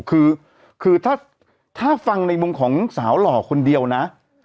คือถ้าฟังในมุมของสาวหล่อคนเดียวนะ